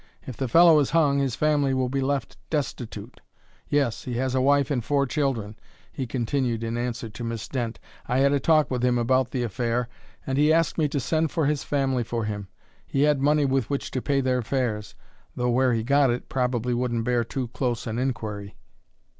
If the fellow is hung his family will be left destitute. Yes, he has a wife and four children," he continued in answer to Miss Dent. "I had a talk with him about the affair, and he asked me to send for his family for him. He had money with which to pay their fares, though where he got it probably wouldn't bear too close an inquiry."